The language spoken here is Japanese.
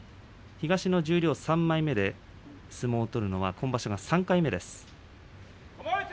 東の十両３枚目で相撲を取るのは今場所で３回目です。